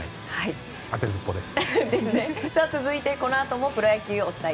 当てずっぽです。